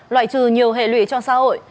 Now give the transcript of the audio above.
loại trừ nhiều hệ lụy cho xã hội